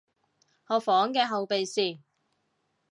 我房嘅後備匙